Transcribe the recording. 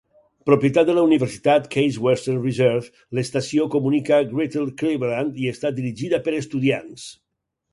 Propietat de la universitat Case Western Reserve, l'estació comunica Greater Cleveland i està dirigida per estudiants.